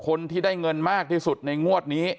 ความปลอดภัยของนายอภิรักษ์และครอบครัวด้วยซ้ำ